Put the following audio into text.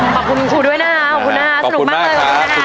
ขอบคุณครูด้วยนะครับขอบคุณครับสนุกมากครับ